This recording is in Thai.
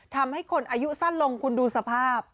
ทำให้คนอายุสั้นลงคุณดูสภาพ